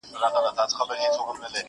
• کيسه د ټولني نقد دی ښکاره,